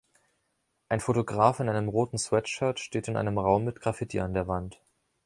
Ein Fotograf in einem roten Sweatshirt steht in einem Raum mit Graffiti an der Wand